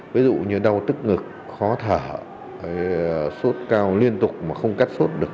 ví dụ như đau tức ngực khó thở sốt cao liên tục mà không cắt sốt được